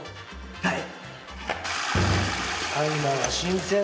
はい！